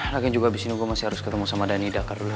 lagi juga abis ini gue masih harus ketemu sama dany di akar dulu